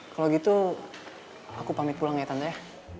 kalau gitu aku pamit pulang ya tante ya